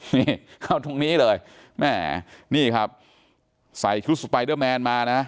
นี่เข้าตรงนี้เลยแม่นี่ครับใส่ชุดสไปเดอร์แมนมานะ